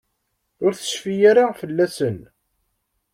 Ur tecfi ara fell-asen.